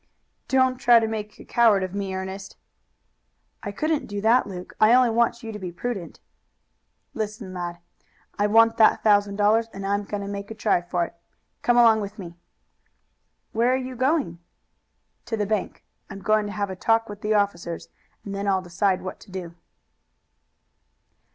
"Don't try to make a coward of me, Ernest." "I couldn't do that, Luke. I only want you to be prudent." "Listen, lad. I want that thousand dollars and I'm going to make a try for it. Come along with me." "Where are you going?" "To the bank. I'm going to have a talk with the officers and then I'll decide what to do."